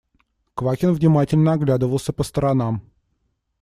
Квакин внимательно оглядывался по сторонам.